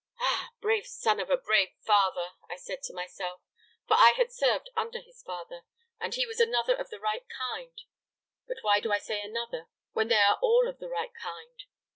'Ah, brave son of a brave father!' I said to myself; for I had served under his father, and he was another of the right kind. But why do I say another, when they are all of the right kind!